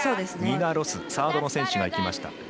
ニナ・ロスサードの選手がいきました。